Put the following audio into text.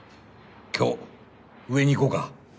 今日上に行こうか。